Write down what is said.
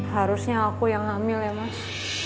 harusnya aku yang hamil ya mas